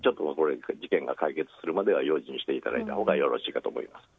事件が解決するまでは用心していただいたほうがよろしいかと思います。